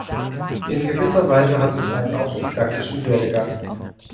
In gewisser Weise hatte ich einen autodidaktischen Werdegang.